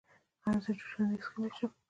ایا زه جوشاندې څښلی شم؟